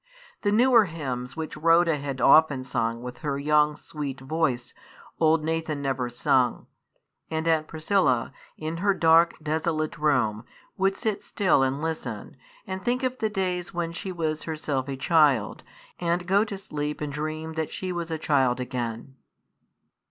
The newer hymns which Rhoda had often sung with her young, sweet voice, old Nathan never sung; and Aunt Priscilla, in her dark, desolate room, would sit still and listen, and think of the days when she was herself a child, and go to sleep and dream that she was a child again.